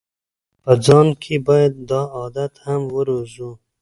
په ځان کې باید دا عادت هم وروزو.